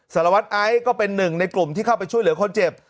สารวัตรไอซ์ก็เป็นหนึ่งในกลุ่มที่เข้าไปช่วยเหลือคนเจ็บ